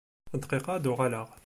Dqiqa ad d-uɣaleɣ.